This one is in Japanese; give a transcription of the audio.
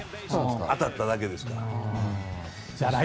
当たっただけですから。